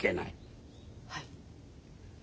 はい。